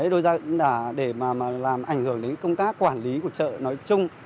đôi ra cũng đã để làm ảnh hưởng đến công tác quản lý của chợ nói chung